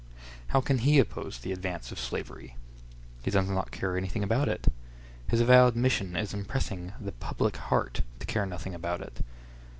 How can he oppose the advance of slavery? He does not care anything about it. His avowed mission is impressing the "public heart" to care nothing about it.